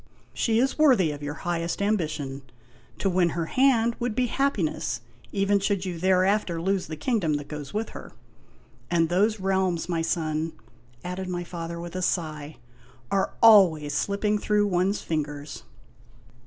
She is worthy of your highest ambition. To win her hand would be happiness, even should you thereafter lose the king dom that goes with her. And those realms, my son," added my father, with a sigh, "are always slipping through one's fingers